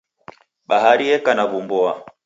Bahari yeka na w'umboa.